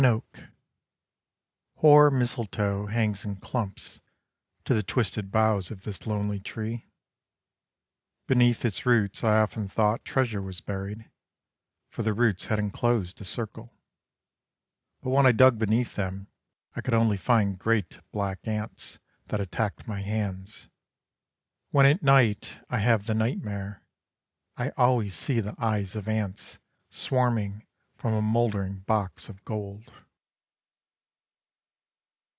AN OAK Hoar mistletoe Hangs in clumps To the twisted boughs Of this lonely tree. Beneath its roots I often thought treasure was buried: For the roots had enclosed a circle. But when I dug beneath them, I could only find great black ants That attacked my hands. When at night I have the nightmare, I always see the eyes of ants Swarming from a mouldering box of gold.